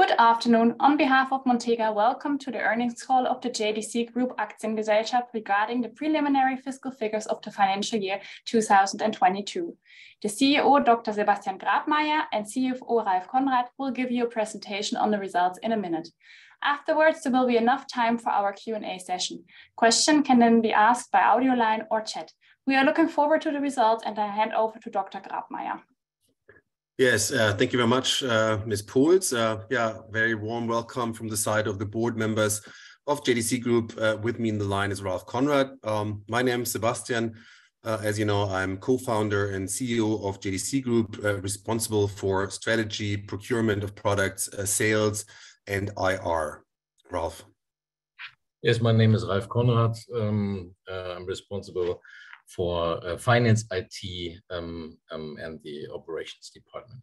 Good afternoon. On behalf of Montega, welcome to the earnings call of the JDC Group Aktiengesellschaft regarding the preliminary fiscal figures of the financial year 2022. The CEO, Dr. Sebastian Grabmaier, and CFO, Ralph Konrad, will give you a presentation on the results in a minute. Afterwards, there will be enough time for our Q&A session. Question can be asked by audio line or chat. We are looking forward to the results, and I hand over to Dr. Grabmaier. Thank you very much, Ms. Pultz. Very warm welcome from the side of the board members of JDC Group. With me in the line is Ralph Konrad. My name is Sebastian. As you know, I'm co-founder and CEO of JDC Group, responsible for strategy, procurement of products, sales and IR. Ralph. My name is Ralph Konrad. I'm responsible for finance, IT, and the operations department.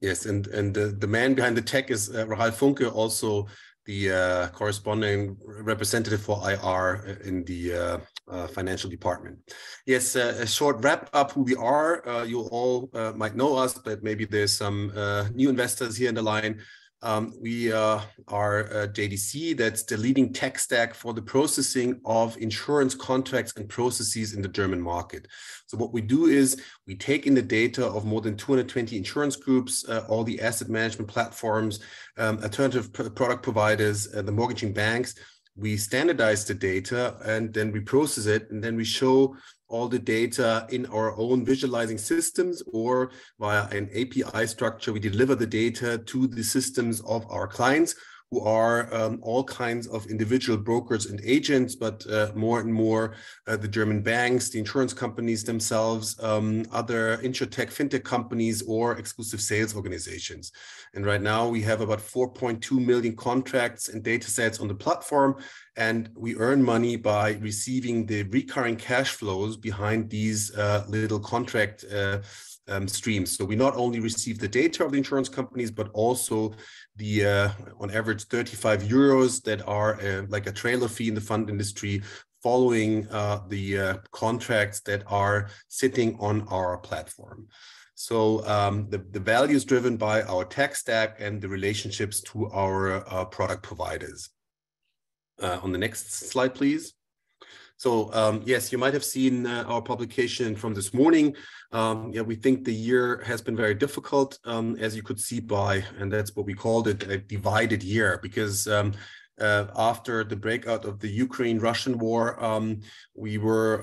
The man behind the tech is Ralf Funke, also the corresponding representative for IR in the financial department. A short wrap up who we are. You all might know us, but maybe there's some new investors here in the line. We are JDC, that's the leading tech stack for the processing of insurance contracts and processes in the German market. What we do is we take in the data of more than 220 insurance groups, all the asset management platforms, alternative product providers, the mortgaging banks. We standardize the data and then we process it, and then we show all the data in our own visualizing systems or via an API structure. We deliver the data to the systems of our clients, who are all kinds of individual brokers and agents, more and more the German banks, the insurance companies themselves, other InsurTech, FinTech companies, or exclusive sales organizations. Right now we have about 4.2 million contracts and data sets on the platform, and we earn money by receiving the recurring cash flows behind these little contract streams. We not only receive the data of the insurance companies, but also the on average 35 euros that are like a trailer fee in the fund industry following the contracts that are sitting on our platform. The value is driven by our tech stack and the relationships to our product providers. On the next slide, please. Yes, you might have seen our publication from this morning. Yeah, we think the year has been very difficult, as you could see by, and that's what we called it, a divided year. After the breakout of the Ukraine-Russian War, we were,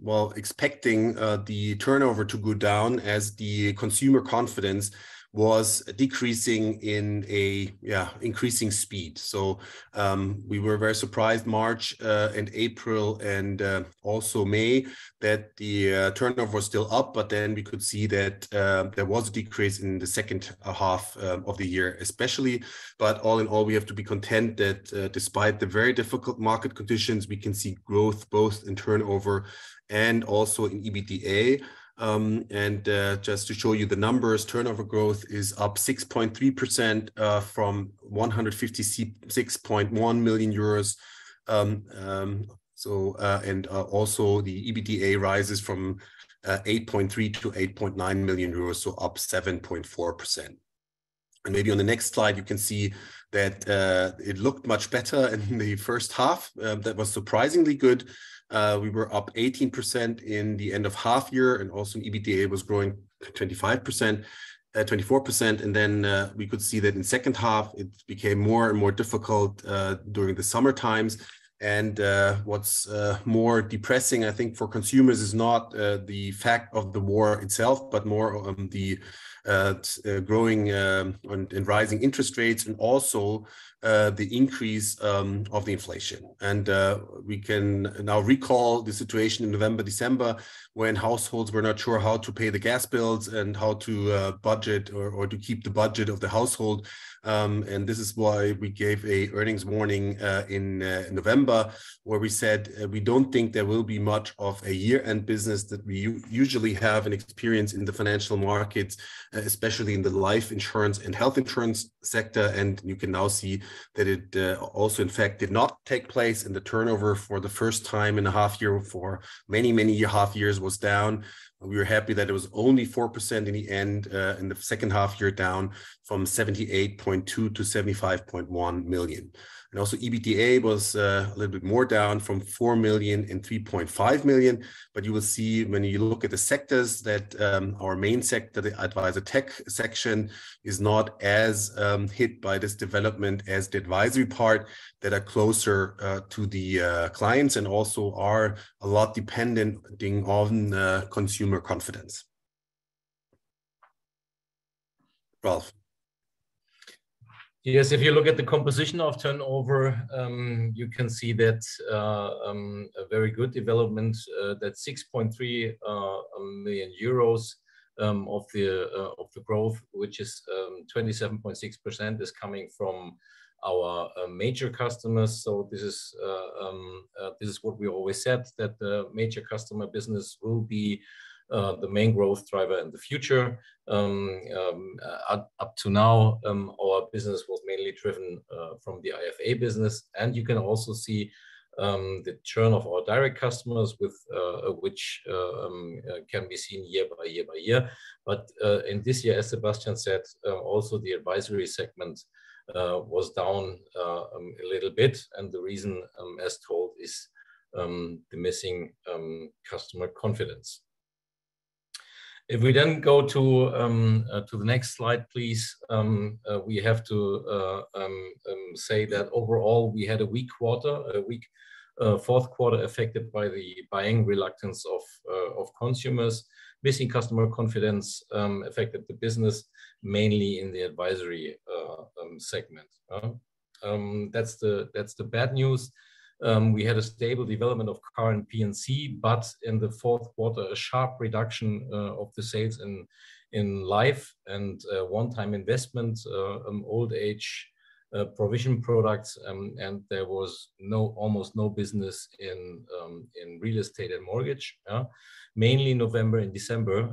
well, expecting the turnover to go down as the consumer confidence was decreasing in a, yeah, increasing speed. We were very surprised March, and April and also May that the turnover was still up, but then we could see that there was a decrease in the H2 of the year especially. All in all, we have to be content that despite the very difficult market conditions, we can see growth both in turnover and also in EBITDA. Just to show you the numbers, turnover growth is up 6.3% from 156.1 million euros. Also the EBITDA rises from 8.3 million to 8.9 million euros, so up 7.4%. Maybe on the next slide, you can see that it looked much better in the H1. That was surprisingly good. We were up 18% in the end of half year, and also EBITDA was growing 25%, 24%. We could see that i H2 it became more and more difficult during the summer times. What's more depressing I think for consumers is not the fact of the war itself, but more the growing and rising interest rates and also the increase of the inflation. We can now recall the situation in November, December when households were not sure how to pay the gas bills and how to budget or to keep the budget of the household. This is why we gave a earnings warning in November, where we said, we don't think there will be much of a year-end business that we usually have and experience in the financial markets, especially in the life insurance and health insurance sector. You can now see that it also in fact did not take place, and the turnover for the first time in a half year for many, many half years was down. We were happy that it was only 4% in the end, in the H2 year, down from 78.2 million to 75.1 million. Also EBITDA was a little bit more down from 4 million and 3.5 million. You will see when you look at the sectors that our main sector, the Advisortech section, is not as hit by this development as the advisory part that are closer to the clients and also are a lot dependent on consumer confidence. Ralph. Yes, if you look at the composition of turnover, you can see that a very good development, that 6.3 million euros of the growth, which is 27.6%, is coming from our major customers. This is what we always said, that the major customer business will be the main growth driver in the future, up to now, our business was mainly driven from the IFA business, and you can also see the churn of our direct customers, which can be seen year by year. In this year, as Sebastian said, also the advisory segment was down a little bit. The reason, as told is, the missing customer confidence. We go to the next slide, please. We have to say that overall we had a weak quarter, a weak Q4 affected by the buying reluctance of consumers. Missing customer confidence affected the business mainly in the advisory segment. That's the bad news. We had a stable development of current P&C, but in the Q4, a sharp reduction of the sales in life and one-time investment old age provision products. There was almost no business in real estate and mortgage, mainly November and December.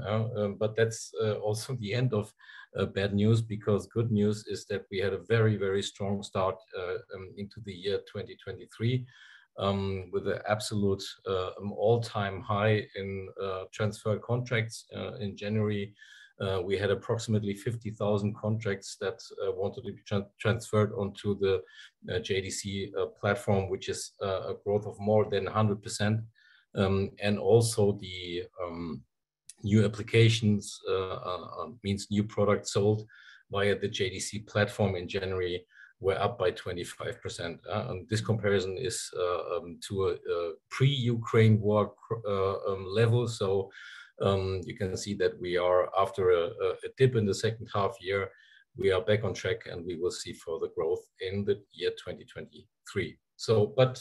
That's also the end of bad news because good news is that we had a very, very strong start into the year 2023 with a absolute all-time high in transfer contracts in January. We had approximately 50,000 contracts that wanted to be transferred onto the JDC platform, which is a growth of more than 100%. Also the new applications means new products sold via the JDC platform in January were up by 25%. This comparison is to a pre-Ukraine war level. You can see that we are after a dip in the H2 year, we are back on track, and we will see further growth in the year 2023. Back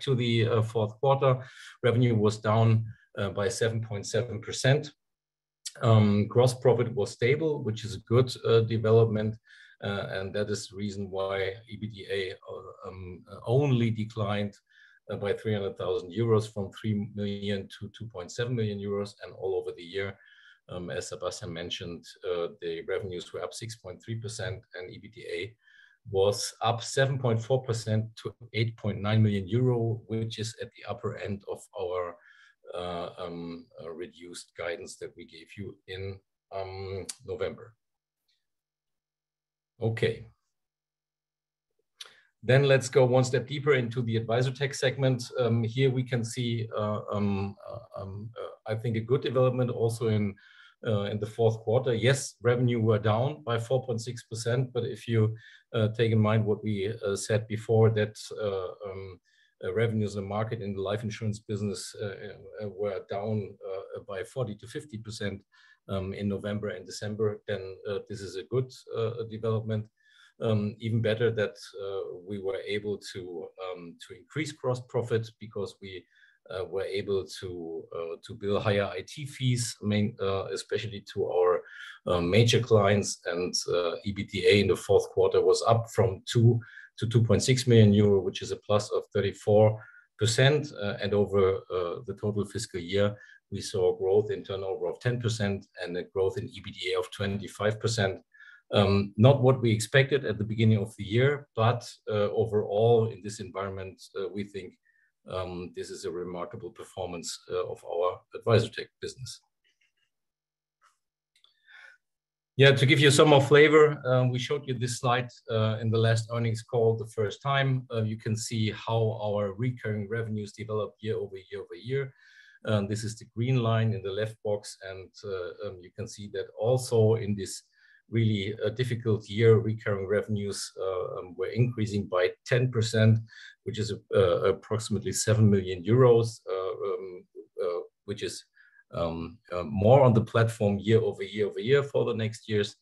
to the Q4, revenue was down by 7.7%. Gross profit was stable, which is a good development. And that is the reason why EBITDA only declined by 300,000 euros from 3 million to 2.7 million euros. All over the year, as Sebastian mentioned, the revenues were up 6.3% and EBITDA was up 7.4% to 8.9 million euro, which is at the upper end of our reduced guidance that we gave you in November. Okay. Let's go one step deeper into the Advisortech segment. Here we can see, I think a good development also in the Q4. Revenue were down by 4.6%, if you take in mind what we said before, that revenues and market in the life insurance business were down by 40%-50% in November and December, this is a good development. Even better that we were able to increase gross profits because we were able to bill higher IT fees, especially to our major clients. EBITDA in the Q4 was up from 2 million-2.6 million euro, which is a plus of 34%. Over the total fiscal year, we saw growth in turnover of 10% and a growth in EBITDA of 25%. Not what we expected at the beginning of the year, overall in this environment, we think this is a remarkable performance of our Advisortech business. Yeah. To give you some more flavor, we showed you this slide in the last earnings call the first time. You can see how our recurring revenues developed year over year over year. This is the green line in the left box. You can see that also in this really difficult year, recurring revenues were increasing by 10%, which is approximately 7 million euros. Which is more on the platform year over year over year for the next years.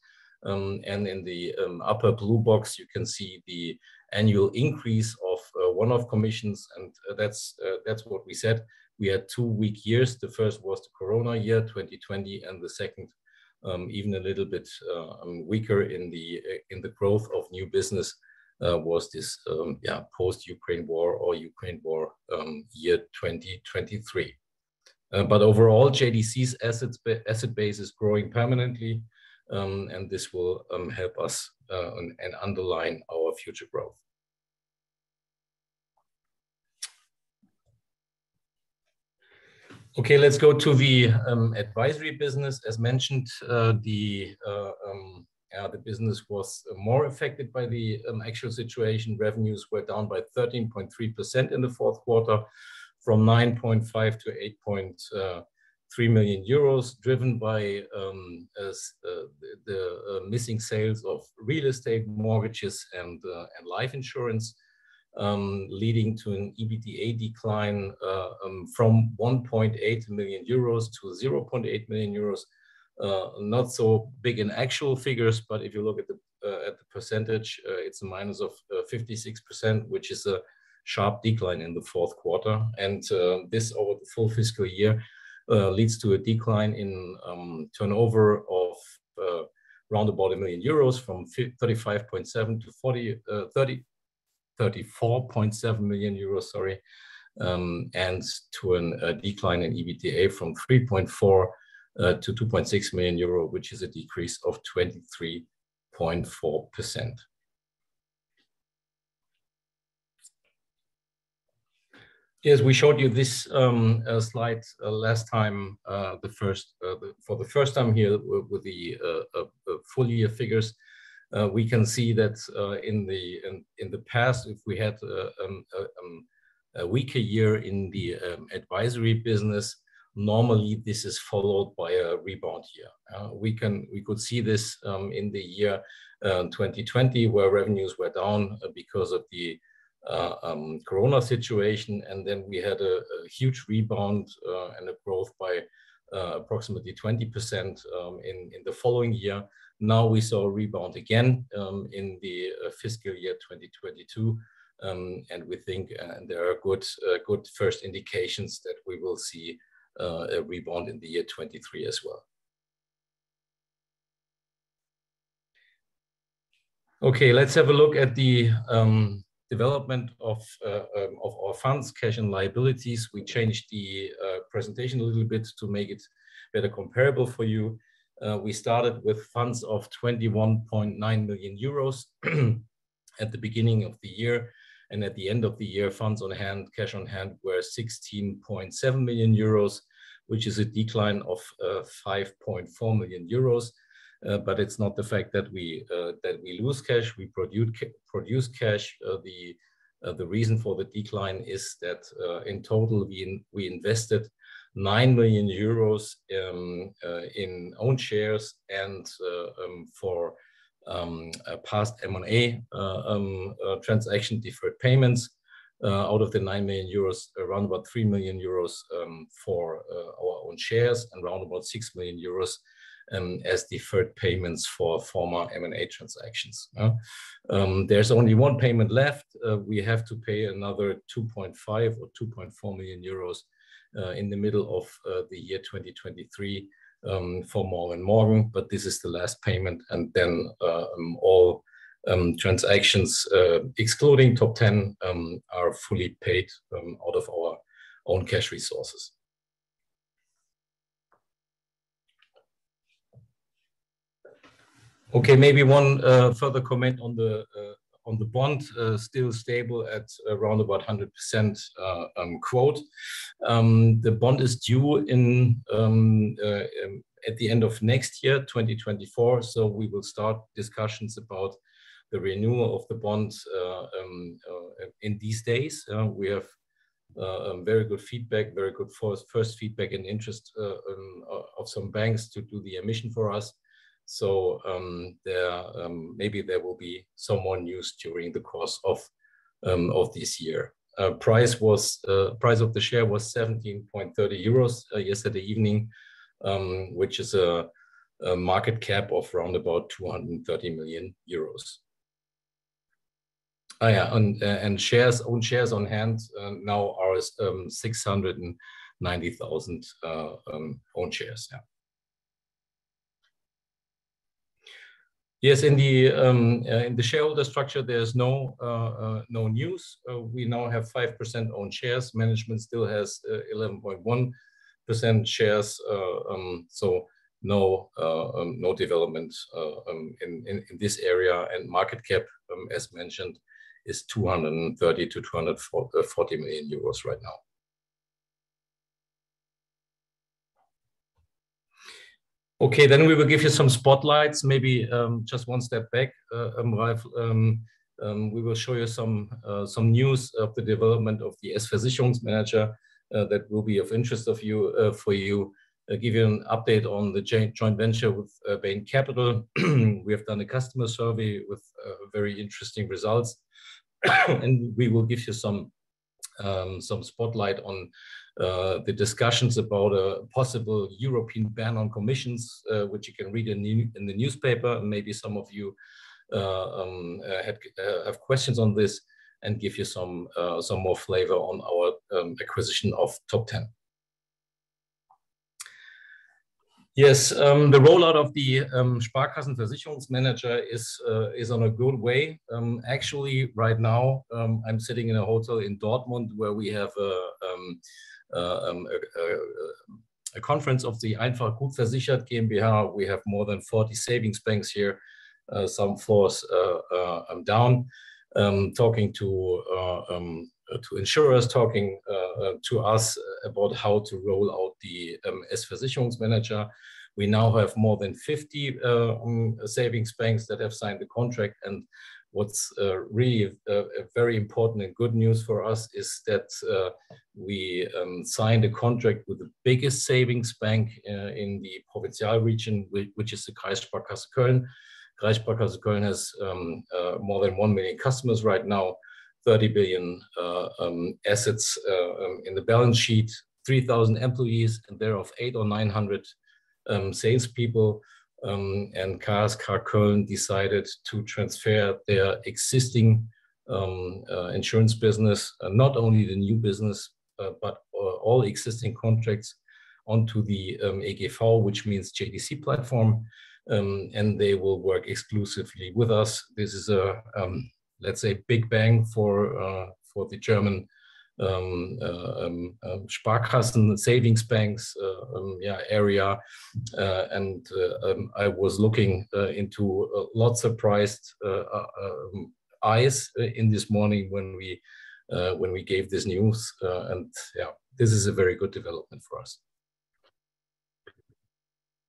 In the upper blue box, you can see the annual increase of one-off commissions. That's what we said. We had 2 weak years. The first was the corona year, 2020, and the second, even a little bit weaker in the growth of new business, was this, yeah, post Ukraine War or Ukraine War year 2023. Overall, JDC's assets, asset base is growing permanently, and this will help us and underline our future growth. Okay, let's go to the advisory business. As mentioned, the business was more affected by the actual situation. Revenues were down by 13.3% in the Q4 from 9.5 million to 8.3 million euros, driven by the missing sales of real estate mortgages and life insurance, leading to an EBITDA decline from 1.8 million euros to 0.8 million euros. Not so big in actual figures, if you look at the percentage, it's a minus of 56%, which is a sharp decline in the Q4. This over the full fiscal year leads to a decline in turnover of around EUR 1 million from 35.7 million-34.7 million euros, sorry. To a decline in EBITDA from 3.4 million to 2.6 million euro, which is a decrease of 23.4%. Yes, we showed you this slide last time, for the first time here with the full year figures. We can see that in the past if we had a weaker year in the advisory business, normally this is followed by a rebound year. We could see this in the year 2020 where revenues were down because of the corona situation. We had a huge rebound and a growth by approximately 20% in the following year. Now we saw a rebound again in the fiscal year 2022. We think there are good first indications that we will see a rebound in the year 23 as well. Okay, let's have a look at the development of our funds, cash and liabilities. We changed the presentation a little bit to make it better comparable for you. We started with funds of 21.9 million euros at the beginning of the year. At the end of the year, funds on hand, cash on hand were 16.7 million euros, which is a decline of 5.4 million euros. But it's not the fact that we that we lose cash. We produce cash. The reason for the decline is that in total, we invested 9 million euros in own shares and for a past M&A transaction deferred payments. Out of the 9 million euros, around about 3 million euros for our own shares and round about 6 million euros as deferred payments for former M&A transactions. There's only one payment left. We have to pay another 2.5 million or 2.4 million euros in the middle of 2023 for MORGEN & MORGEN, but this is the last payment and then all transactions, excluding Top Ten, are fully paid out of our own cash resources. Okay, maybe one further comment on the bond, still stable at around about 100% quote. The bond is due at the end of next year, 2024, we will start discussions about the renewal of the bonds in these days. We have very good feedback, very good first feedback and interest of some banks to do the emission for us. There, maybe there will be some more news during the course of this year. Price was price of the share was 17.30 euros yesterday evening, which is a market cap of around about 230 million euros. Shares, own shares on hand now are 690,000 own shares now. In the shareholder structure, there's no news. We now have 5% own shares. Management still has 11.1% shares. No development in this area. Market cap, as mentioned, is 230 million-240 million euros right now. We will give you some spotlights. Maybe just one step back. We will show you some news of the development of the Sparkassen-Versicherungsmanager that will be of interest of you, for you. Give you an update on the joint venture with Bain Capital. We have done a customer survey with very interesting results. We will give you some spotlight on the discussions about a possible European ban on commissions, which you can read in the newspaper. Maybe some of you have questions on this and give you some more flavor on our acquisition of Top Ten. Yes, the rollout of the Sparkassen-Versicherungsmanager is on a good way. Actually right now, I'm sitting in a hotel in Dortmund where we have a conference of the Einfach Gut Versichert GmbH. We have more than 40 savings banks here. Some of us, I'm down talking to insurers, talking to us about how to roll out the Sparkassen-Versicherungsmanager. We now have more than 50 savings banks that have signed the contract. What's really a very important and good news for us is that we signed a contract with the biggest savings bank in the Provinzial region, which is the Kreissparkasse Köln. Kreissparkasse Köln has more than 1 million customers right now, 30 billion assets in the balance sheet, 3,000 employees, and thereof 800 or 900 salespeople. Karköln decided to transfer their existing insurance business, not only the new business, but all existing contracts onto the AGV, which means JDC platform. They will work exclusively with us. This is a, let's say, big bang for the German Sparkassen savings banks area. I was looking into lots of prized eyes in this morning when we gave this news. Yeah, this is a very good development for us.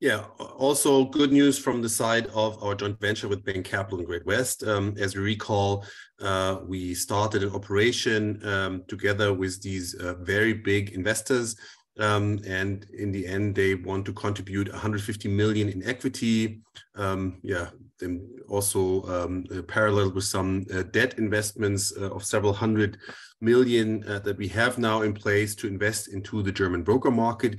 Good news from the side of our joint venture with Bain Capital and Great-West. As we recall, we started an operation together with these very big investors. In the end, they want to contribute EUR 150 million in equity. Parallel with some debt investments of several hundred million EUR that we have now in place to invest into the German broker market.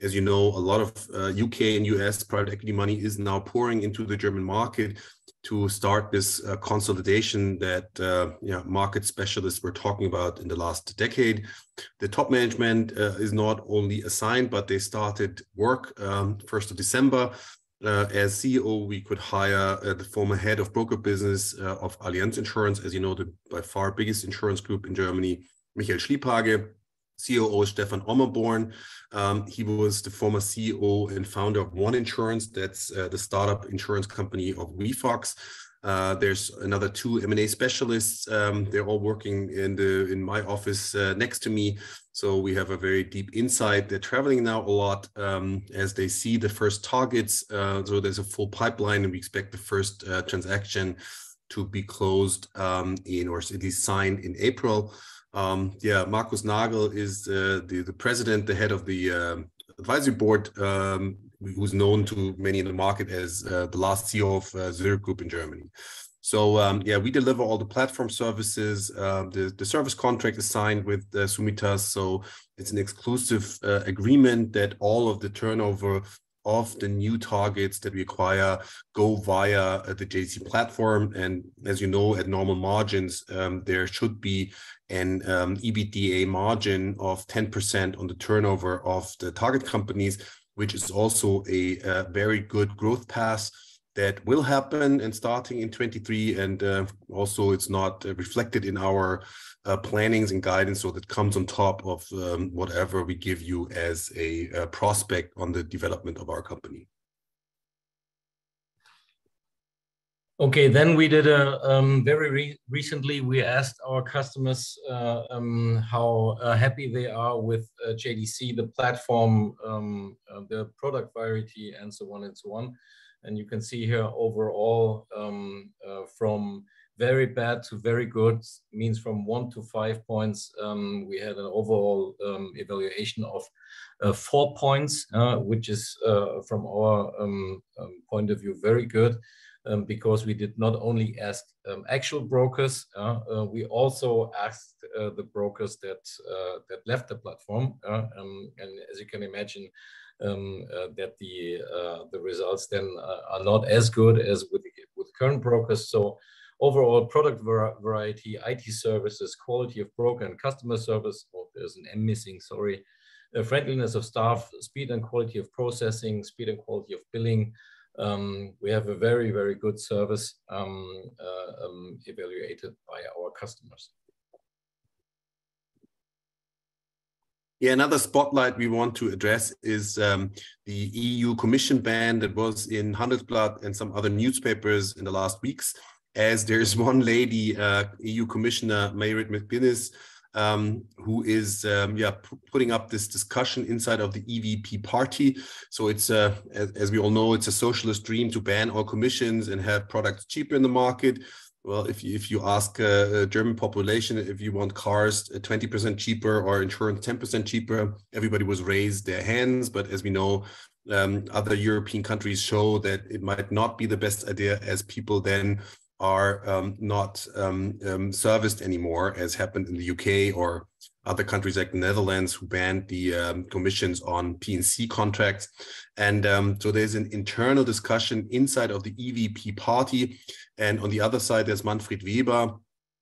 As you know, a lot of U.K. and U.S. private equity money is now pouring into the German market to start this consolidation that market specialists were talking about in the last decade. The top management is not only assigned, but they started work, first of December. As CEO, we could hire the former head of broker business of Allianz Insurance, as you know, the by far biggest insurance group in Germany, Michael Schliephake. COO is Stephan Ommerborn. He was the former CEO and founder of ONE Insurance. That's the startup insurance company of wefox. There's another two M&A specialists. They're all working in my office next to me. We have a very deep insight. They're traveling now a lot as they see the first targets. There's a full pipeline, and we expect the first transaction to be closed in or at least signed in April. Markus Nagel is the president, the head of the advisory board, who's known to many in the market as the last CEO of Zurich Group in Germany. Yeah, we deliver all the platform services. The service contract is signed with Summitas, it's an exclusive agreement that all of the turnover of the new targets that we acquire go via the JDC platform. As you know, at normal margins, there should be an EBITDA margin of 10% on the turnover of the target companies, which is also a very good growth path that will happen starting in 2023. Also it's not reflected in our plannings and guidance. That comes on top of whatever we give you as a prospect on the development of our company. Okay. We did very recently we asked our customers how happy they are with JDC, the platform, the product variety, and so on and so on. You can see here overall, from very bad to very good, means from 1 to 5 points, we had an overall evaluation of 4 points, which is from our point of view, very good. Because we did not only ask actual brokers, we also asked the brokers that left the platform, and as you can imagine, that the results then are not as good as with the current brokers. Overall product variety, IT services, quality of broker and customer service. Oh, there's an "and" missing. Sorry. Friendliness of staff, speed and quality of processing, speed and quality of billing. We have a very good service, evaluated by our customers. Yeah. Another spotlight we want to address is the European Commission ban that was in Handelsblatt and some other newspapers in the last weeks. There is one lady, EU Commissioner Mairead McGuinness, who is, yeah, putting up this discussion inside of the EVP party. It's, as we all know, a socialist dream to ban all commissions and have products cheaper in the market. Well, if you ask a German population, if you want cars at 20% cheaper or insurance 10% cheaper, everybody was raised their hands. As we know, other European countries show that it might not be the best idea, as people then are not serviced anymore, as happened in the UK or other countries like Netherlands, who banned the commissions on P&C contracts. There's an internal discussion inside of the EVP party. On the other side, there's Manfred Weber.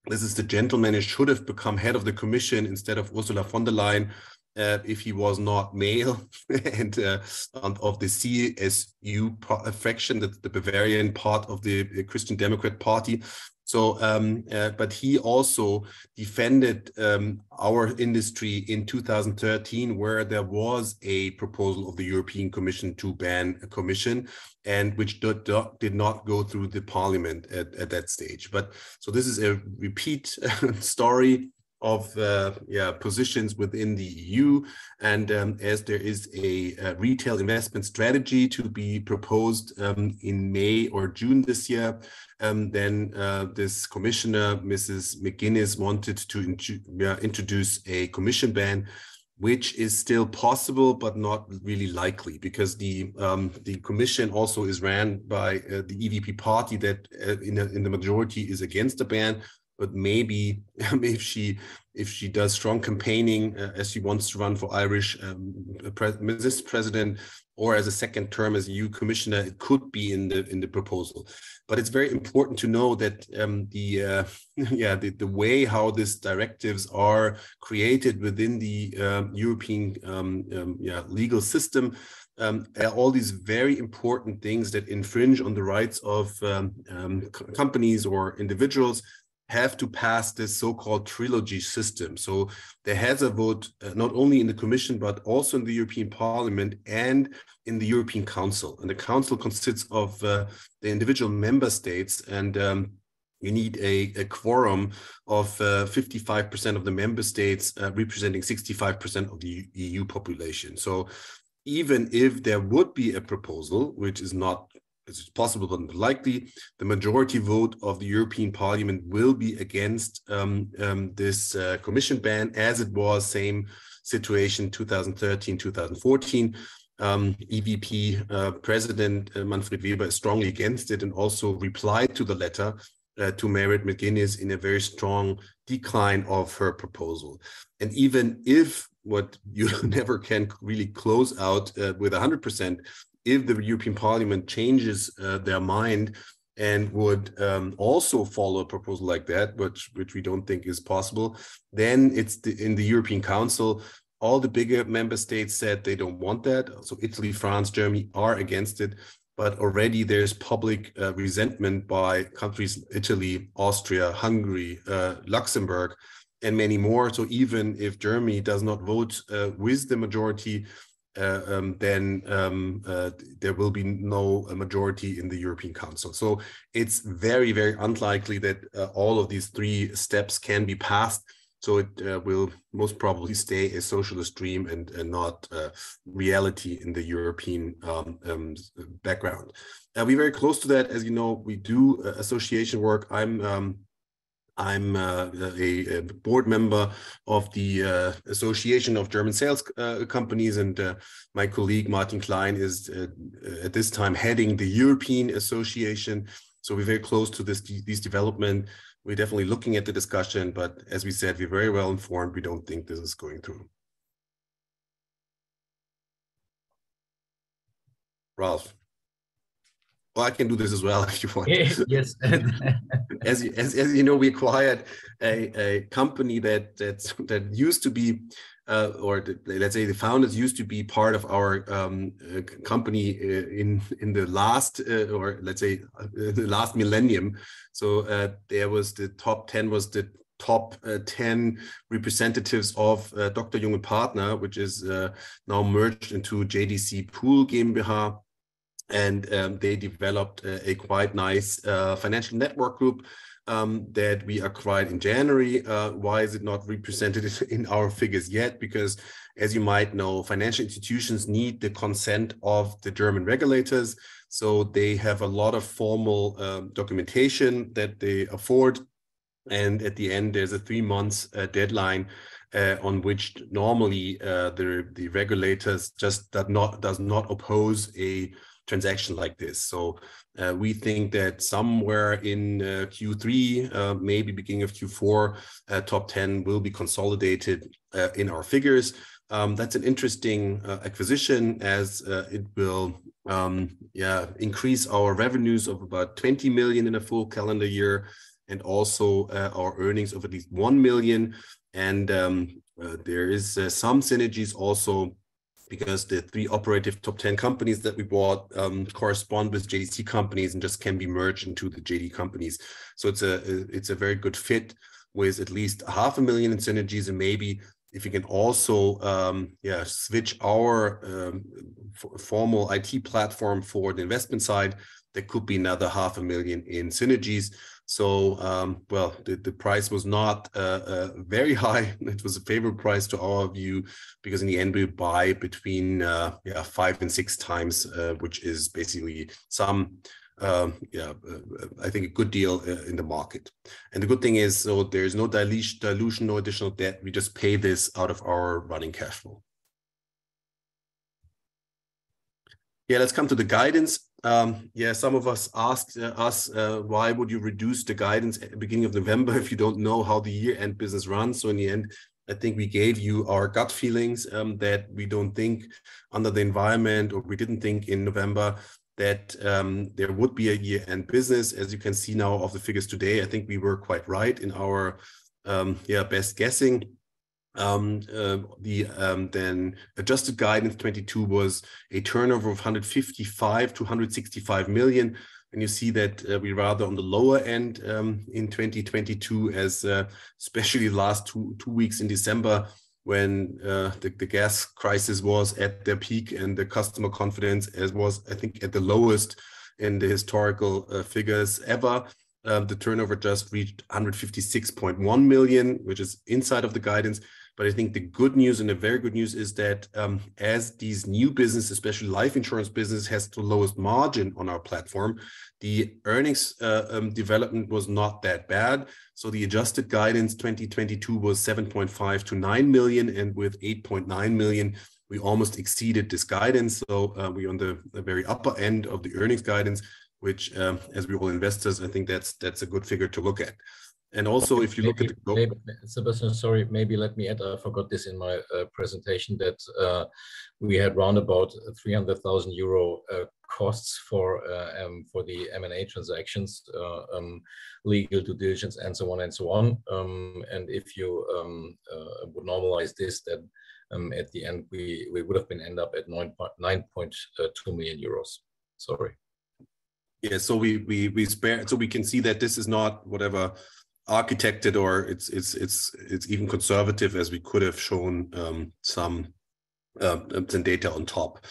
This is the gentleman who should have become head of the commission instead of Ursula von der Leyen, if he was not male and of the CSU faction, the Bavarian part of the Christian Democrat Party. He also defended our industry in 2013, where there was a proposal of the European Commission to ban commission and which did not go through the parliament at that stage. This is a repeat story of yeah, positions within the EU. As there is a Retail Investment Strategy to be proposed in May or June this year, then this commissioner, Mrs McGuinness, wanted to introduce a Commission ban, which is still possible, but not really likely because the Commission also is ran by the EPP party that in the majority is against the ban. Maybe if she does strong campaigning, as she wants to run for Irish vice president or as a second term as EU Commissioner, it could be in the proposal. It's very important to know that the way how these directives are created within the European legal system. All these very important things that infringe on the rights of co-companies or individuals have to pass this so-called trilogy system. There has a vote, not only in the Commission, but also in the European Parliament and in the European Council. The council consists of the individual member states and you need a quorum of 55% of the member states, representing 65% of the EU population. Even if there would be a proposal, which is not, it is possible but unlikely, the majority vote of the European Parliament will be against this Commission ban as it was same situation, 2013, 2014. EPP President Manfred Weber is strongly against it and also replied to the letter to Mairead McGuinness in a very strong decline of her proposal. Even if, what you never can really close out with 100%, if the European Parliament changes their mind and would also follow a proposal like that, which we don't think is possible, then in the European Council, all the bigger member states said they don't want that. Italy, France, Germany are against it, but already there's public resentment by countries Italy, Austria, Hungary, Luxembourg, and many more. Even if Germany does not vote with the majority, then there will be no majority in the European Council. It's very, very unlikely that all of these three steps can be passed, it will most probably stay a socialist dream and not a reality in the European background. We're very close to that. As you know, we do association work. I'm a board member of the Association of German Sales Companies, my colleague Martin Klein is at this time heading the European Association. We're very close to this development. We're definitely looking at the discussion, but as we said, we're very well informed. We don't think this is going through. Ralph Konrad. I can do this as well if you want. Yes. As you know, we acquired a company that used to be, or let's say the founders used to be part of our company in the last, or let's say, the last millennium. There was the Top Ten was the Top Ten representatives of Dr. Jung & Partner, which is now merged into JDC Pool GmbH, and they developed a quite nice financial network group that we acquired in January. Why is it not represented in our figures yet? As you might know, financial institutions need the consent of the German regulators, so they have a lot of formal documentation that they afford. At the end, there's a 3 months deadline on which normally the regulators just does not oppose a transaction like this. We think that somewhere in Q3, maybe beginning of Q4, Top Ten will be consolidated in our figures. That's an interesting acquisition as it will increase our revenues of about 20 million in a full calendar year and also our earnings of at least 1 million. There is some synergies also because the 3 operative Top Ten companies that we bought correspond with JDC companies and just can be merged into the JDC companies. It's a very good fit with at least half a million EUR in synergies. Maybe if you can also switch our formal IT platform for the investment side, there could be another half a million EUR in synergies. The price was not very high. It was a favorable price to all of you because in the end, we buy between 5 and 6 times, which is basically some, I think a good deal in the market. The good thing is, there is no dilution, no additional debt. We just pay this out of our running cash flow. Let's come to the guidance. Some of us asked us why would you reduce the guidance at the beginning of November if you don't know how the year-end business runs? In the end, I think we gave you our gut feelings that we don't think under the environment or we didn't think in November that there would be a year-end business. As you can see now of the figures today, I think we were quite right in our, yeah, best guessing. The adjusted guidance 2022 was a turnover of 155 million-165 million. You see that we're rather on the lower end in 2022 as especially last 2 weeks in December when the gas crisis was at their peak and the customer confidence as was, I think, at the lowest in the historical figures ever. The turnover just reached 156.1 million, which is inside of the guidance. I think the good news and the very good news is that, as these new business, especially life insurance business, has the lowest margin on our platform, the earnings development was not that bad. The adjusted guidance 2022 was 7.5 million-9 million, and with 8.9 million, we almost exceeded this guidance. We're on the very upper end of the earnings guidance, which, as we're all investors, I think that's a good figure to look at. Also, if you look at the. Maybe, Sebastian, sorry, maybe let me add, I forgot this in my presentation, that we had round about 300,000 euro costs for the M&A transactions, legal due diligence and so on and so on. If you would normalize this, then, at the end, we would have been end up at 9.2 million euros. Sorry. We can see that this is not whatever architected or it's even conservative, as we could have shown some data on top.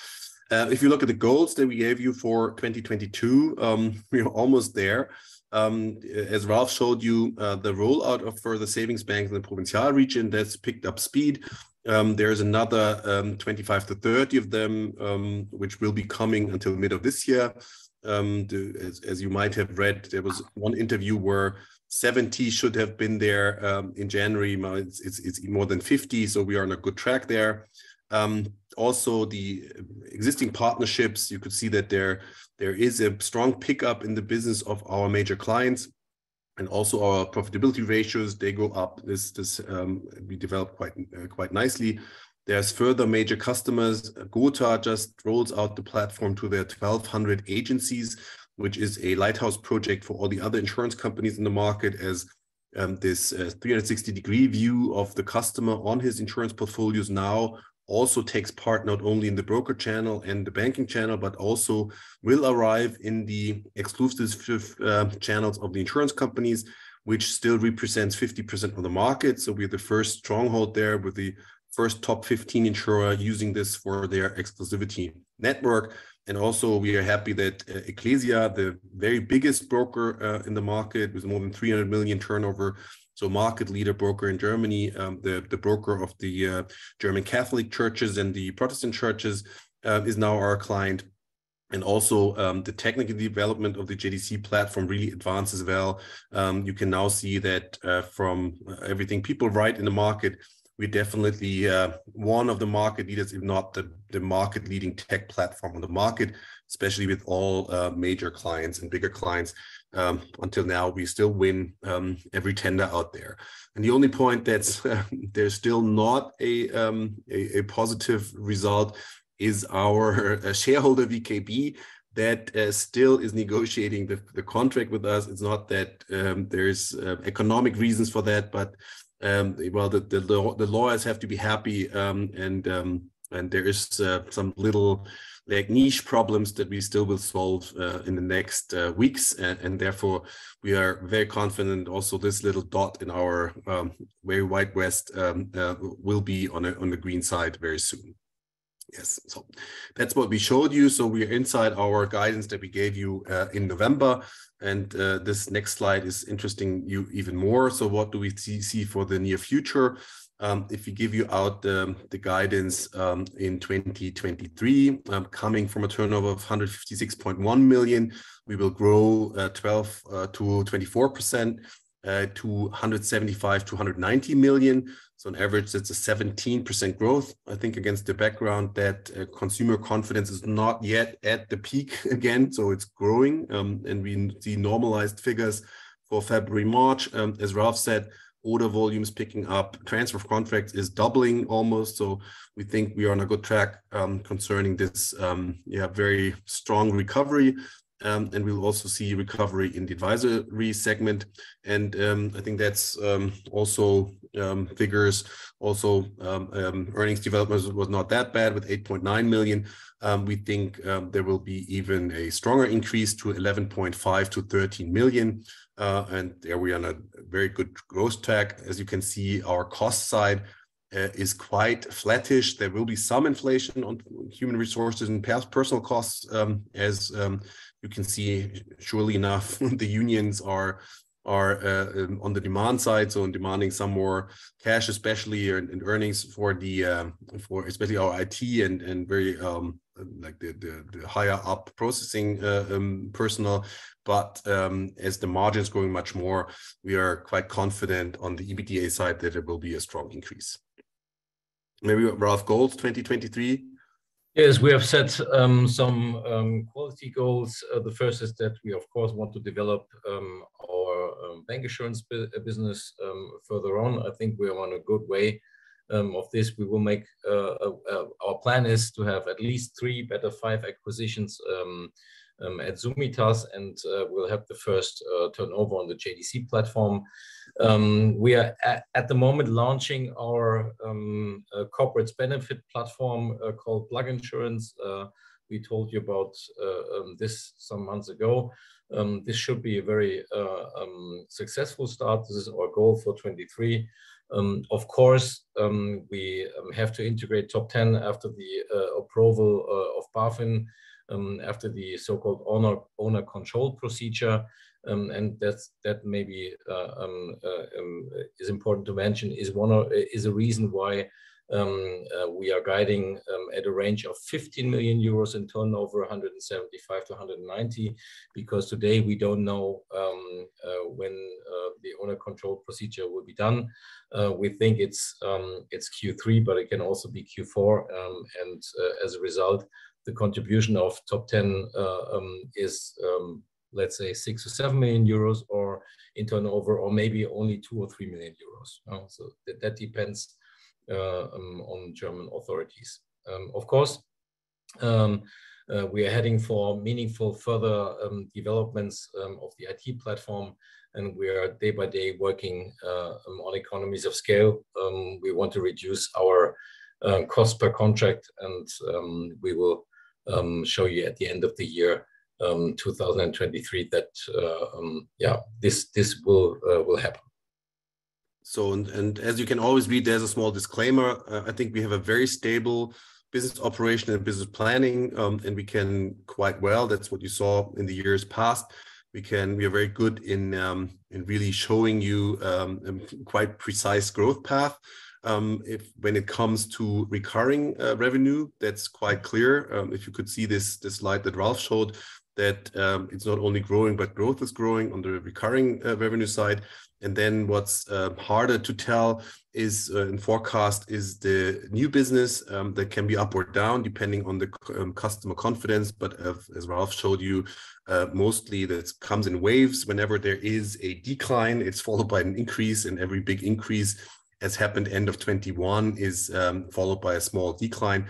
If you look at the goals that we gave you for 2022, we are almost there. As Ralf showed you, the rollout of further savings banks in the Provinzial region, that's picked up speed. There's another 25 to 30 of them, which will be coming until the middle of this year. As you might have read, there was one interview where 70 should have been there in January. Now it's more than 50, we are on a good track there. Also the existing partnerships, you could see that there is a strong pickup in the business of our major clients and also our profitability ratios, they go up. This, we developed quite nicely. There's further major customers. Gothaer just rolls out the platform to their 1,200 agencies, which is a lighthouse project for all the other insurance companies in the market, as this 360 degree view of the customer on his insurance portfolios now also takes part not only in the broker channel and the banking channel, but also will arrive in the exclusive channels of the insurance companies, which still represents 50% of the market. We're the first stronghold there with the first top 15 insurer using this for their exclusivity network. We are happy that Ecclesia, the very biggest broker in the market, with more than 300 million turnover, so market leader broker in Germany, the broker of the German Catholic churches and the Protestant churches, is now our client. The technical development of the JDC platform really advances well. You can now see that from everything people write in the market, we're definitely one of the market leaders, if not the market leading tech platform on the market, especially with all major clients and bigger clients. Until now, we still win every tender out there. The only point that's there's still not a positive result is our shareholder, VKB, that still is negotiating the contract with us. It's not that there's economic reasons for that, but well, the lawyers have to be happy. There is some little like niche problems that we still will solve in the next weeks, and therefore we are very confident also this little dot in our very wide west will be on the green side very soon. Yes. That's what we showed you. We are inside our guidance that we gave you in November. This next slide is interesting you even more. What do we see for the near future? If we give you out the guidance in 2023, coming from a turnover of 156.1 million, we will grow 12%-24% to 175 million-190 million. On average, that's a 17% growth, I think, against the background that consumer confidence is not yet at the peak again. It's growing, and we see normalized figures for February, March. As Ralf said, order volume is picking up. Transfer of contracts is doubling almost. We think we are on a good track concerning this very strong recovery. We will also see recovery in the advisory segment and I think that's also figures also earnings development was not that bad with 8.9 million. We think there will be even a stronger increase to 11.5 million-13 million. There we are on a very good growth track. As you can see, our cost side is quite flattish. There will be some inflation on human resources and personal costs, as you can see surely enough, the unions are on the demand side, so demanding some more cash, especially and earnings for the, for especially our IT and very like the higher up processing personal. As the margin's growing much more, we are quite confident on the EBITDA side that it will be a strong increase. Maybe Ralf, goals for 2023? Yes. We have set some quality goals. The first is that we of course, want to develop our bank insurance business further on. I think we are on a good way of this. Our plan is to have at least 3, better 5 acquisitions at Summitas, and we'll have the first turnover on the JDC platform. We are at the moment launching our corporate benefit platform called Plug-InSurance. We told you about this some months ago. This should be a very successful start. This is our goal for 2023. Of course, we have to integrate Top Ten after the approval of BaFin after the so-called owner control procedure. That's, that may be, is important to mention is a reason why we are guiding at a range of 50 million euros in turnover, 175 million-190 million, because today we don't know when the owner control procedure will be done. We think it's Q3, but it can also be Q4. As a result, the contribution of Top Ten is, let's say 6 million or 7 million euros in turnover, or maybe only 2 million or 3 million euros. That depends on German authorities. Of course, we are heading for meaningful further developments of the IT platform, and we are day by day working on economies of scale. We want to reduce our cost per contract. We will show you at the end of the year 2023 that this will happen. As you can always read, there's a small disclaimer. I think we have a very stable business operation and business planning, and we can quite well. That's what you saw in the years past. We are very good in really showing you quite precise growth path when it comes to recurring revenue, that's quite clear. If you could see this slide that Ralf showed that it's not only growing, but growth is growing on the recurring revenue side. What's harder to tell is in forecast is the new business that can be up or down depending on the customer confidence. As Ralf showed you, mostly that comes in waves. Whenever there is a decline, it's followed by an increase. Every big increase has happened end of 2021 is followed by a small decline.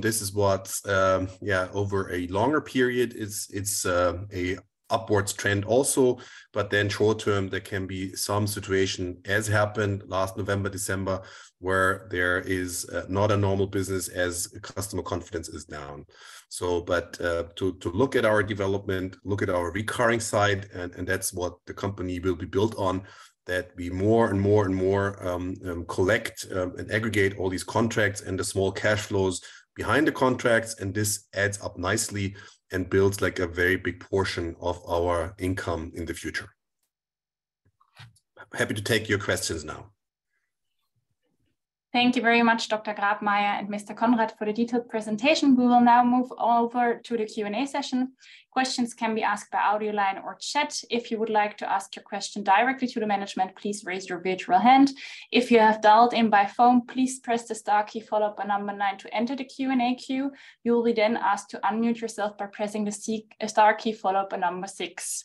This is what, yeah, over a longer period, it's a upwards trend also. Short term, there can be some situation, as happened last November, December, where there is not a normal business as customer confidence is down. To look at our development, look at our recurring side, and that's what the company will be built on, that we more and more and more collect and aggregate all these contracts and the small cash flows behind the contracts, and this adds up nicely and builds like a very big portion of our income in the future. Happy to take your questions now. Thank you very much, Dr. Grabmaier and Mr. Konrad for the detailed presentation. We will now move over to the Q&A session. Questions can be asked by audio line or chat. If you would like to ask your question directly to the management, please raise your virtual hand. If you have dialed in by phone, please press the star key followed by 9 to enter the Q&A queue. You will be then asked to unmute yourself by pressing the star key followed by 6.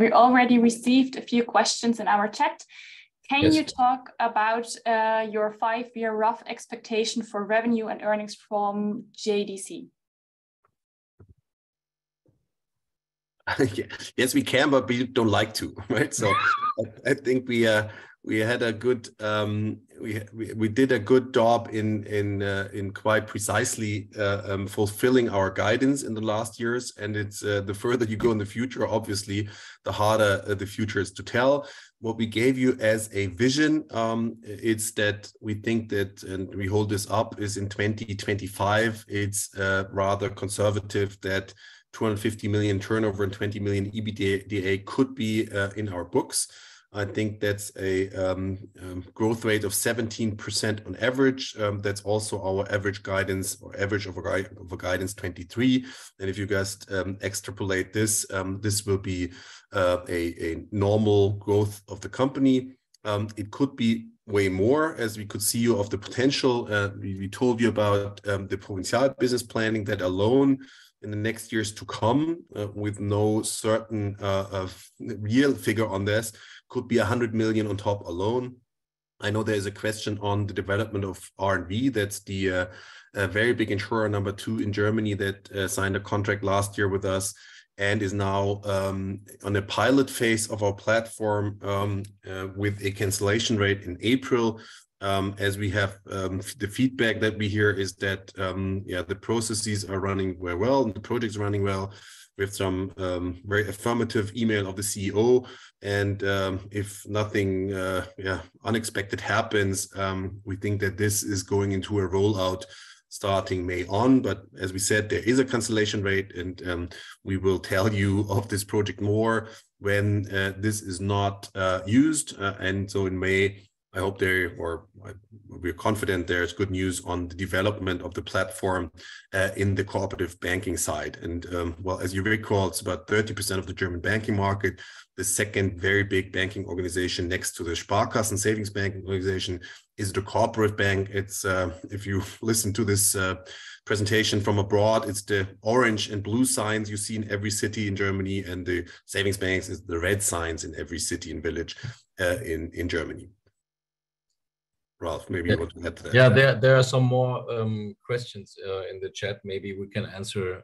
We already received a few questions in our chat. Yes. Can you talk about your 5-year rough expectation for revenue and earnings from JDC? Yes, we can, but we don't like to, right? I think we did a good job in quite precisely fulfilling our guidance in the last years. It's the further you go in the future, obviously, the harder the future is to tell. What we gave you as a vision, it's that we think that, and we hold this up, is in 2025, it's rather conservative that 250 million turnover and 20 million EBITDA could be in our books. I think that's a growth rate of 17% on average. That's also our average guidance or average of a guidance 23. If you guys extrapolate this will be a normal growth of the company. It could be way more as we could see of the potential. We told you about the Provinzial business planning that alone in the next years to come, with no certain real figure on this, could be 100 million on top alone. I know there is a question on the development of R+V. That's the very big insurer number two in Germany that signed a contract last year with us and is now on a pilot phase of our platform with a cancellation rate in April. As we have the feedback that we hear is that the processes are running very well, and the project's running well. We have some very affirmative email of the CEO and if nothing unexpected happens, we think that this is going into a rollout starting May on. As we said, there is a cancellation rate and we will tell you of this project more when this is not used. In May, I hope there or we're confident there is good news on the development of the platform in the cooperative banking side. Well, as you very recall, it's about 30% of the German banking market. The second very big banking organization next to the Sparkassen savings bank organization is the corporate bank. It's, if you've listened to this, presentation from abroad, it's the orange and blue signs you see in every city in Germany, and the savings banks is the red signs in every city and village, in Germany. Ralf, maybe you want to add to that. Yeah. There are some more questions in the chat. Maybe we can answer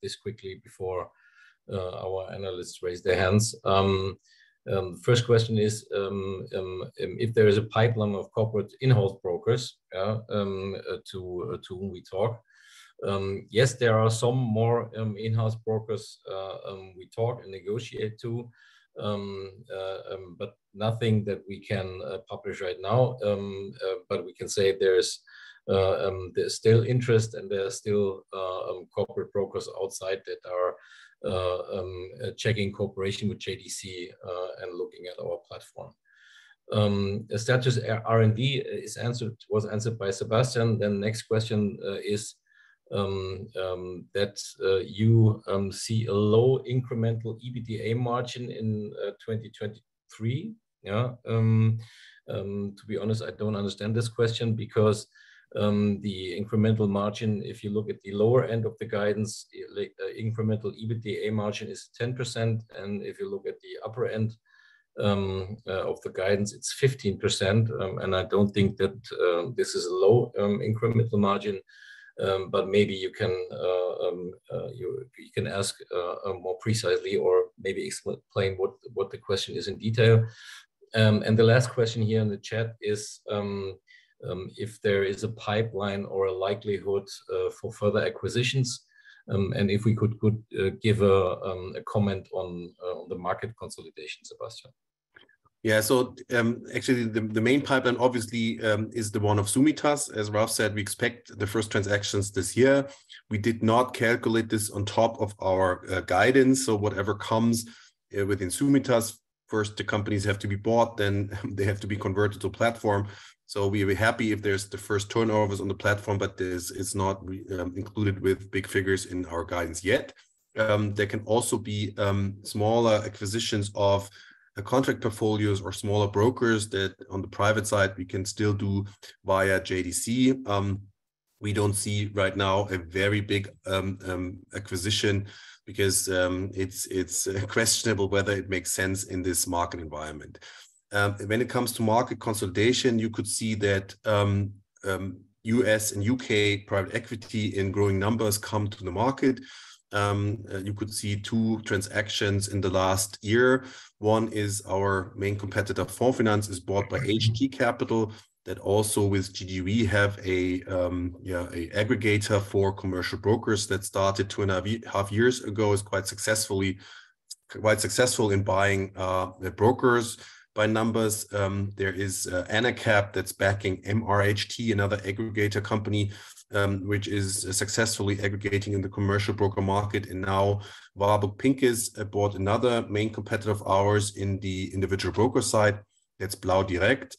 this quickly before our analysts raise their hands. First question is if there is a pipeline of corporate in-house brokers, yeah, to whom we talk. Yes, there are some more in-house brokers we talk and negotiate to, but nothing that we can publish right now. But we can say there is there's still interest and there are still corporate brokers outside that are checking cooperation with JDC and looking at our platform. The status R&D is answered, was answered by Sebastian. Next question is that you see a low incremental EBITDA margin in 2023. Yeah. To be honest, I don't understand this question because the incremental margin, if you look at the lower end of the guidance, incremental EBITDA margin is 10%, and if you look at the upper end of the guidance, it's 15%. I don't think that this is a low incremental margin. Maybe you can ask more precisely or maybe explain what the question is in detail. The last question here in the chat is if there is a pipeline or a likelihood for further acquisitions, and if we could give a comment on the market consolidation, Sebastian. Actually the main pipeline obviously is the one of Summitas Gruppe. As Ralph Konrad said, we expect the first transactions this year. We did not calculate this on top of our guidance. Whatever comes within Summitas Gruppe, first the companies have to be bought, then they have to be converted to platform. We'll be happy if there's the first turnovers on the platform, but this is not included with big figures in our guidance yet. There can also be smaller acquisitions of contract portfolios or smaller brokers that on the private side we can still do via JDC. We don't see right now a very big acquisition because it's questionable whether it makes sense in this market environment. When it comes to market consolidation, you could see that US and UK private equity in growing numbers come to the market. You could see 2 transactions in the last year. One is our main competitor, Fonds Finanz, is bought by Hg Capital that also with GGW have a aggregator for commercial brokers that started 2 and a half years ago, is quite successful in buying the brokers by numbers. There is AnaCap that's backing MRHT, another aggregator company, which is successfully aggregating in the commercial broker market. Now Warburg Pincus have bought another main competitor of ours in the individual broker side, that's blau direkt.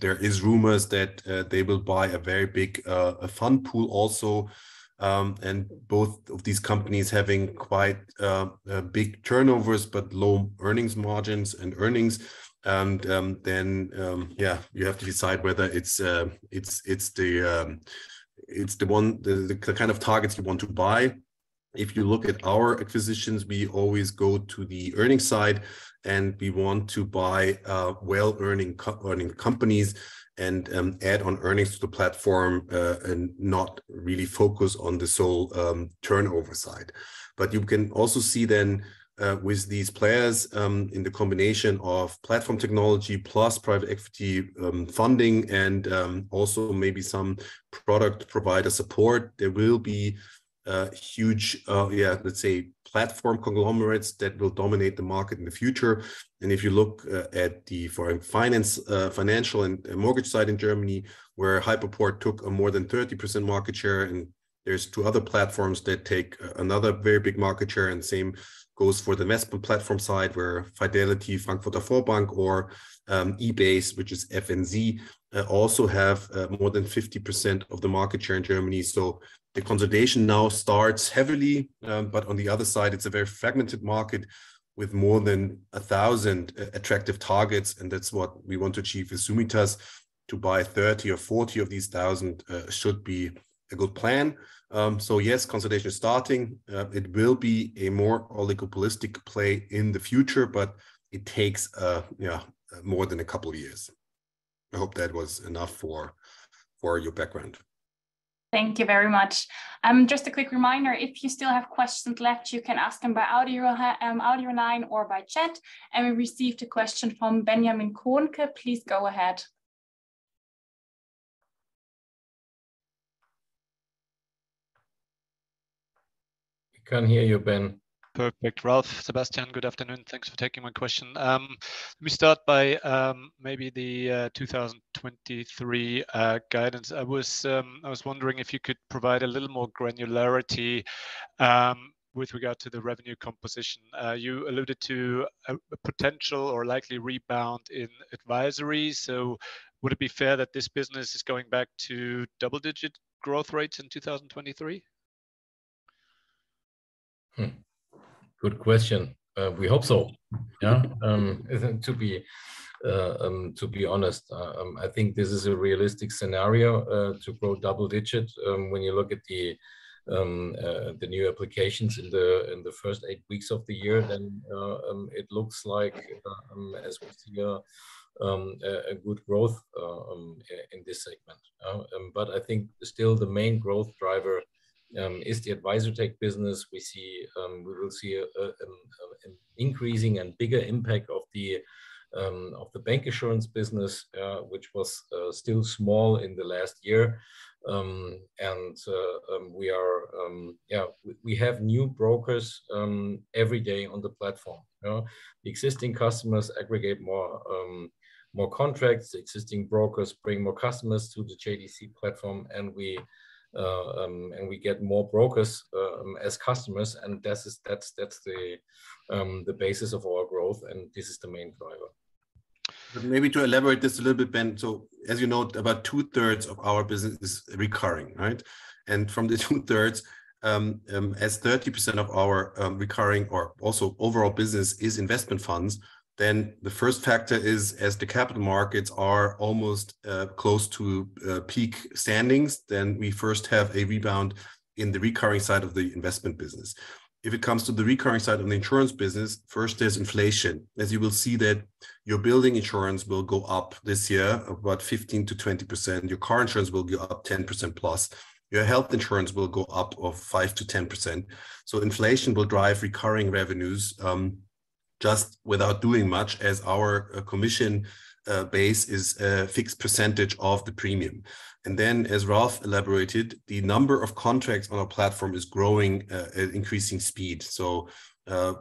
There is rumors that they will buy a very big fund pool also. Both of these companies having quite big turnovers but low earnings margins and earnings. Then, yeah, you have to decide whether it's the one, the kind of targets you want to buy. If you look at our acquisitions, we always go to the earning side, and we want to buy well-earning companies and add on earnings to the platform and not really focus on the sole turnover side. You can also see then with these players in the combination of platform technology plus private equity funding and also maybe some product provider support, there will be huge, yeah, let's say platform conglomerates that will dominate the market in the future. If you look at the financial and mortgage side in Germany, where Hypoport took a more than 30% market share, and there's two other platforms that take another very big market share, and same goes for the Moventum platform side where Fidelity, Frankfurter Volksbank or eBase, which is FNZ, also have more than 50% of the market share in Germany. The consolidation now starts heavily. But on the other side, it's a very fragmented market with more than 1,000 attractive targets, and that's what we want to achieve with Summitas. To buy 30 or 40 of these 1,000 should be a good plan. Yes, consolidation is starting. It will be a more oligopolistic play in the future, but it takes, yeah, more than a couple of years. I hope that was enough for your background. Thank you very much. Just a quick reminder, if you still have questions left, you can ask them by audio line or by chat. We received a question from Benjamin Kornke. Please go ahead. We can hear you, Ben. Perfect. Ralph Konrad, Sebastian, good afternoon. Thanks for taking my question. Let me start by maybe the 2023 guidance. I was wondering if you could provide a little more granularity with regard to the revenue composition. You alluded to a potential or likely rebound in advisory. Would it be fair that this business is going back to double-digit growth rates in 2023? Hmm. Good question. We hope so. Yeah. To be honest, I think this is a realistic scenario to grow double digit. When you look at the new applications in the first 8 weeks of the year, then it looks like as we see a good growth in this segment. I think still the main growth driver is the Advisortech business. We see, we will see an increasing and bigger impact of the bank insurance business, which was still small in the last year. Yeah, we have new brokers every day on the platform. You know? The existing customers aggregate more contracts. Existing brokers bring more customers to the JDC platform. We get more brokers, as customers. That's the basis of our growth. This is the main driver. Maybe to elaborate this a little bit, Ben. As you know, about two-thirds of our business is recurring, right? From the two thirds, as 30% of our recurring or also overall business is investment funds, then the first factor is as the capital markets are almost close to peak standings, then we first have a rebound in the recurring side of the investment business. If it comes to the recurring side of the insurance business, first there's inflation. As you will see that your building insurance will go up this year about 15%-20%. Your car insurance will go up 10% plus. Your health insurance will go up of 5%-10%. Inflation will drive recurring revenues, Just without doing much as our commission base is a fixed percentage of the premium. As Ralf elaborated, the number of contracts on our platform is growing at increasing speed.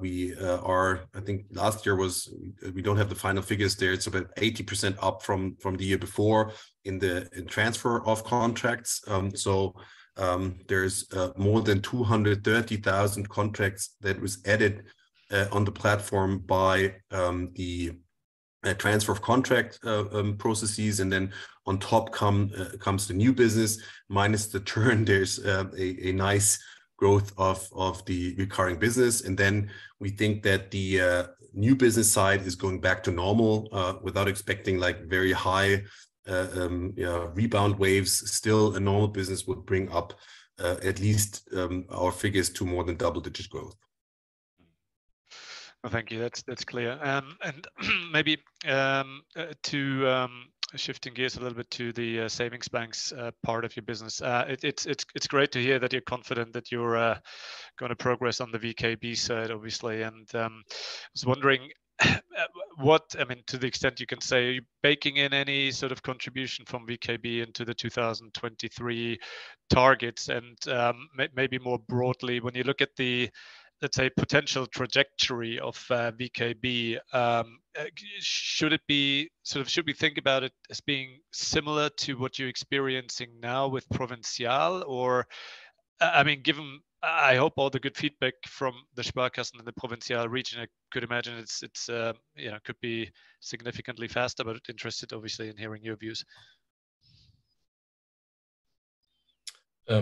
We I think last year was, we don't have the final figures there, it's about 80% up from the year before in transfer of contracts. There's more than 230,000 contracts that was added on the platform by the transfer of contract processes and then on top comes the new business minus the churn. There's a nice growth of the recurring business and then we think that the new business side is going back to normal without expecting like very high, yeah, rebound waves. Still a normal business would bring up at least our figures to more than double-digit growth. Well, thank you. That's, that's clear. Maybe shifting gears a little bit to the savings banks part of your business. It's great to hear that you're confident that you're gonna progress on the VKB side obviously. I was wondering what, I mean, to the extent you can say, are you baking in any sort of contribution from VKB into the 2023 targets? Maybe more broadly, when you look at the, let's say, potential trajectory of VKB, sort of should we think about it as being similar to what you're experiencing now with Provinzial? Or, I mean, given, I hope all the good feedback from the Sparkasse and the Provinzial region, I could imagine it's, you know, could be significantly faster. Interested obviously in hearing your views. My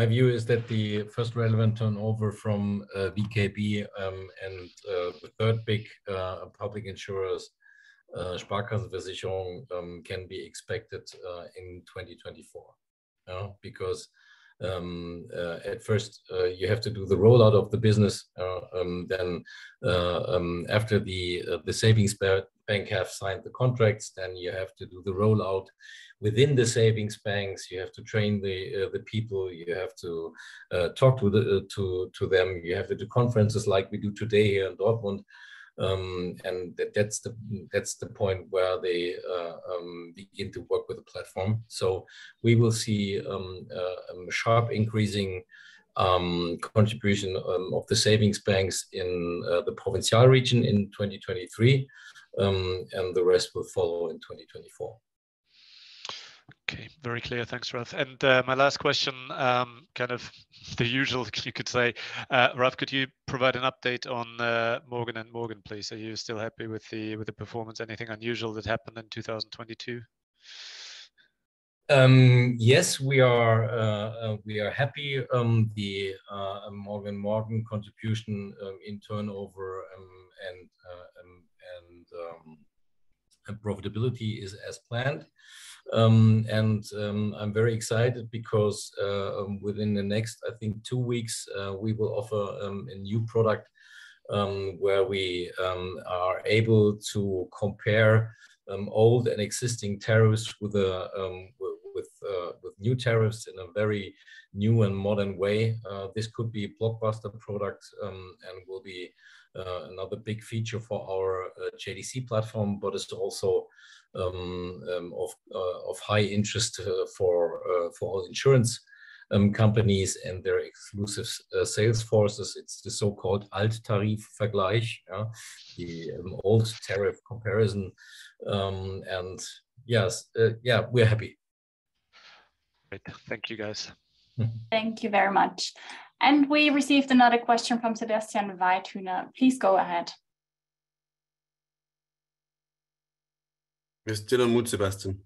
view is that the first relevant turnover from VKB and the third big public insurers, SparkassenVersicherung, can be expected in 2024, you know? Because at first, you have to do the rollout of the business. Then after the savings bank have signed the contracts, then you have to do the rollout within the savings banks. You have to train the people. You have to talk to them. You have to do conferences like we do today here in Dortmund. And that's the point where they begin to work with the platform. We will see a sharp increasing contribution of the savings banks in the Provinzial region in 2023, and the rest will follow in 2024. Okay. Very clear. Thanks, Ralph. My last question, kind of the usual you could say. Ralph, could you provide an update on MORGEN & MORGEN, please? Are you still happy with the performance? Anything unusual that happened in 2022? Yes, we are happy. The MORGEN & MORGEN contribution in turnover and profitability is as planned. I'm very excited because within the next, I think 2 weeks, we will offer a new product where we are able to compare old and existing tariffs with new tariffs in a very new and modern way. This could be a blockbuster product and will be another big feature for our JDC platform, but is also of high interest for all insurance companies and their exclusive sales forces. It's the so-called Alttarifvergleich. The old tariff comparison. Yes, we're happy. Great. Thank you, guys. Thank you very much. We received another question from Sebastian Weitoner. Please go ahead. You're still on mute, Sebastian.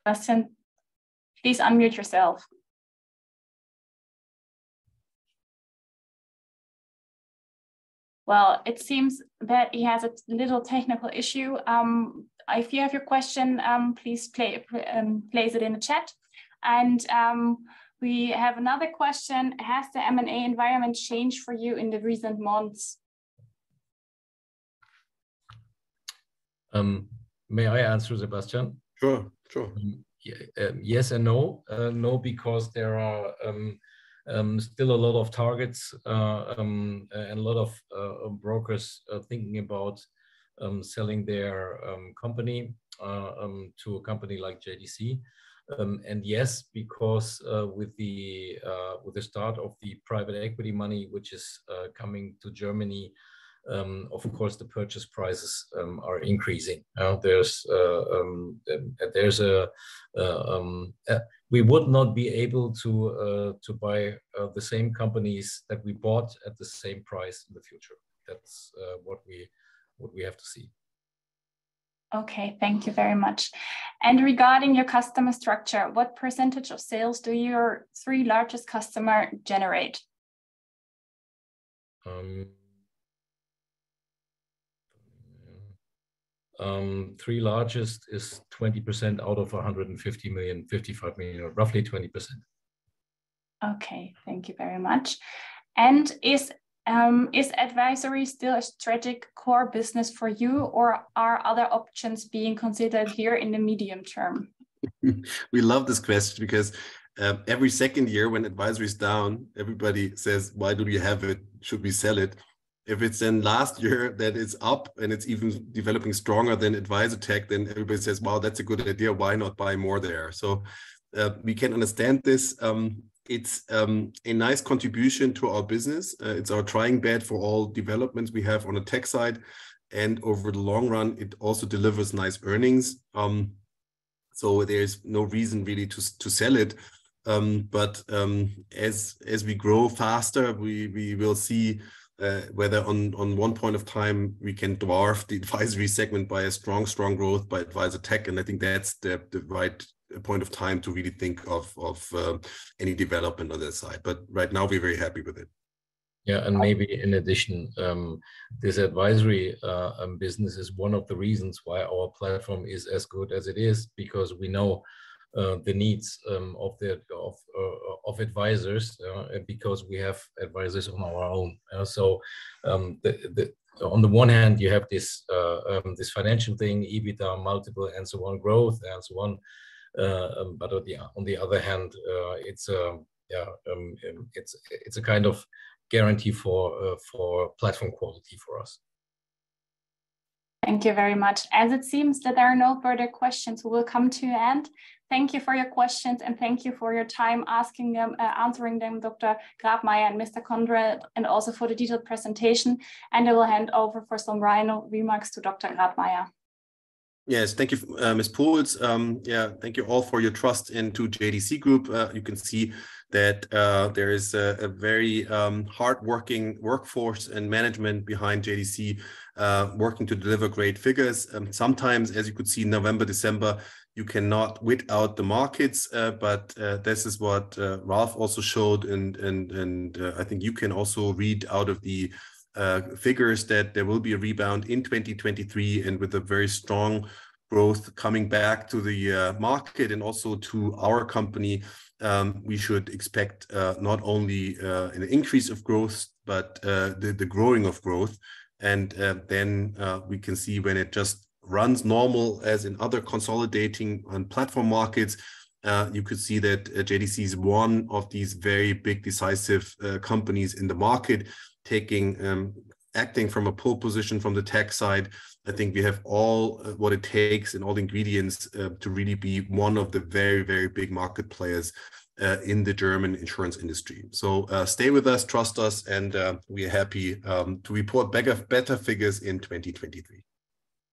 Sebastian, please unmute yourself. Well, it seems that he has a little technical issue. If you have your question, please place it in the chat. We have another question: Has the M&A environment changed for you in the recent months? May I answer, Sebastian? Sure. Sure. Yes and no. No because there are still a lot of targets and a lot of brokers thinking about selling their company to a company like JDC. Yes, because with the start of the private equity money which is coming to Germany, of course the purchase prices are increasing. There's a... We would not be able to buy the same companies that we bought at the same price in the future. That's what we have to see. Okay. Thank you very much. Regarding your customer structure, what % of sales do your three largest customer generate? three largest is 20% out of 150 million, 55 million, or roughly 20%. Okay. Thank you very much. Is advisory still a strategic core business for you, or are other options being considered here in the medium term? We love this question because every 2 year when Advisory is down, everybody says, "Why do we have it? Should we sell it?" If it's in last year that it's up and it's even developing stronger than AdvisorTech, then everybody says, "Wow, that's a good idea. Why not buy more there?" We can understand this. It's a nice contribution to our business. It's our trying bed for all developments we have on the tech side, and over the long run, it also delivers nice earnings. There's no reason really to sell it. As we grow faster, we will see, whether on one point of time we can dwarf the advisory segment by a strong growth by AdvisorTech, and I think that's the right point of time to really think of any development on that side. Right now we're very happy with it. Maybe in addition, this advisory business is one of the reasons why our platform is as good as it is because we know the needs of the advisors because we have advisors on our own. On the one hand you have this financial thing, EBITDA, multiple, and so on, growth, and so on. On the other hand, it's a kind of guarantee for platform quality for us. Thank you very much. As it seems that there are no further questions, we will come to end. Thank you for your questions and thank you for your time answering them, Dr. Grabmaier and Mr. Konrad, and also for the detailed presentation. I will hand over for some final remarks to Dr. Grabmaier. Yes. Thank you, Ms. Puetz. Thank you all for your trust into JDC Group. You can see that there is a very hardworking workforce and management behind JDC, working to deliver great figures. Sometimes, as you could see November, December, you cannot wait out the markets, but this is what Ralph also showed, and I think you can also read out of the figures that there will be a rebound in 2023, and with a very strong growth coming back to the market and also to our company. We should expect not only an increase of growth, but the growing of growth. We can see when it just runs normal as in other consolidating platform markets. You could see that JDC is one of these very big decisive companies in the market taking acting from a pole position from the tech side. I think we have all what it takes and all the ingredients to really be one of the very, very big market players in the German insurance industry. Stay with us, trust us, and we're happy to report better figures in 2023.